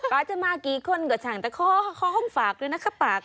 ป๊าจะมากี่คนก็จะอย่างแต่ข้อห้องฝากด้วยนะครับป๊าค่ะ